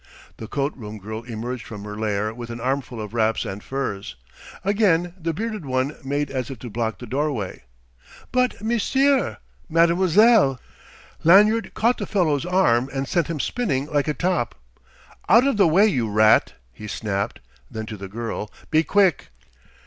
The coat room girl emerged from her lair with an armful of wraps and furs. Again the bearded one made as if to block the doorway. "But, monsieur mademoiselle !" Lanyard caught the fellow's arm and sent him spinning like a top. "Out of the way, you rat!" he snapped; then to the girl: "Be quick!"